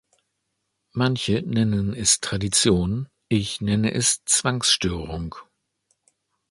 Manche nennen es Tradition, ich nenne es Zwangsstörung.